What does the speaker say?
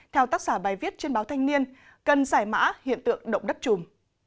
theo tác giả bài viết trên báo thanh niên cần giải mã hiện tượng động đất chùm